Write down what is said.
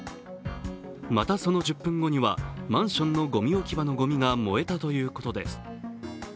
また、その１０分後にはマンションのごみ置き場のごみが燃えたということです。